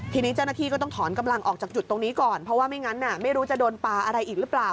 ทีนี้เจ้าหน้าที่ก็ต้องถอนกำลังออกจากจุดตรงนี้ก่อนเพราะว่าไม่งั้นไม่รู้จะโดนปลาอะไรอีกหรือเปล่า